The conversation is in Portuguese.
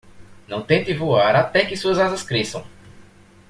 Não tente voar até que suas asas cresçam!